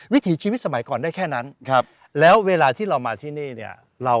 วิถีชีวิตสมัยก่อนได้แค่นั้นครับแล้วเวลาที่เรามาที่นี่เนี่ยเรา